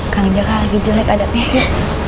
kang jaka lagi jelek adatnya